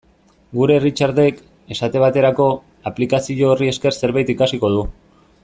Gure Richardek, esate baterako, aplikazio horri esker zerbait ikasiko du.